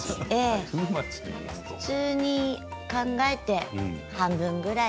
普通に考えて半分ぐらい。